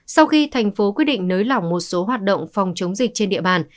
sau khi thành phố quyết định nới lỏng một số hoạt động phòng chống dịch trên địa bàn